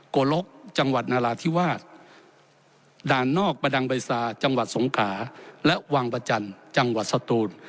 โกลกจังหวัดนาราธิวาสด่านนอกประดังใบซาจังหวัดสงขาและวังประจันทร์จังหวัดสตูน